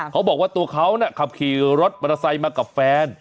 เขาบอกว่าตัวเขาน่ะขับขี่รถบรรทไซยมากับแฟน